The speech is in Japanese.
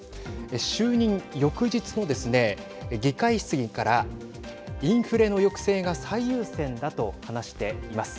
就任翌日のですね、議会質疑からインフレの抑制が最優先だと話しています。